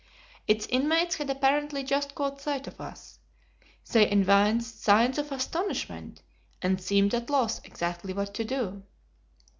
Its inmates had apparently just caught sight of us. They evinced signs of astonishment, and seemed at a loss exactly what to do.